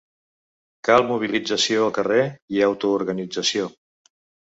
Cal mobilització al carrer i autoorganització